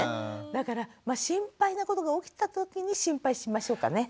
だから心配なことが起きた時に心配しましょうかね。